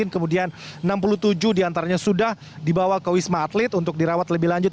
kemudian enam puluh tujuh diantaranya sudah dibawa ke wisma atlet untuk dirawat lebih lanjut